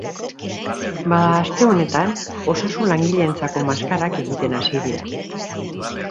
Bada, aste honetan osasun langileentzako maskarak egiten hasi dira.